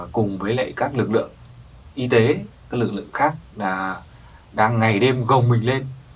cùng với các lực lượng y tế các lực lượng khác đang ngày đêm gồng mình lên